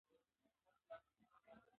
زه د زړه پاکوالی خوښوم.